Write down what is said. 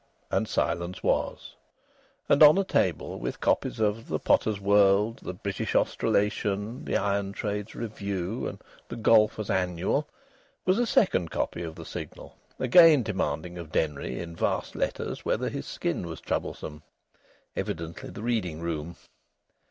And silence was. And on a table with copies of The Potter's World, The British Australasian, The Iron Trades Review, and the Golfers' Annual, was a second copy of the Signal, again demanding of Denry in vast letters whether his skin was troublesome. Evidently the reading room.